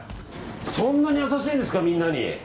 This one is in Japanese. そんなに優しいんですかみんなに。